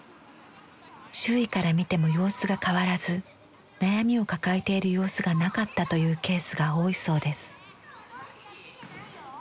周囲から見ても様子が変わらず悩みを抱えている様子がなかったというケースが多いそうです。